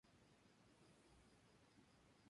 El Unión Foot Ball tuvo una corta vida institucional.